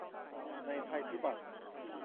ในภัยพิบัติ